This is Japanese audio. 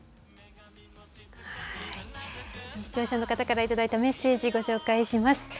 視聴者の方から頂いたメッセージ、ご紹介します。